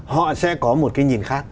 họ sẽ có một cái nhìn khác